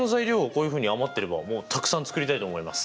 こういうふうに余ってればもうたくさん作りたいと思います。